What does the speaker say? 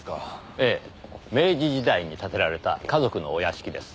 ええ明治時代に建てられた華族のお屋敷です。